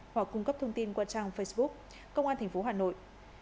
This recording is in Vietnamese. hoặc cung cấp thông tin qua trang facebook công an tp hà nội